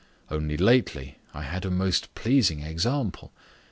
Only lately I had a most pleasing example.